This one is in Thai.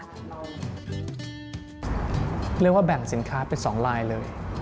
เรียกว่าแบ่งสินค้าเป็น๒ลายเลย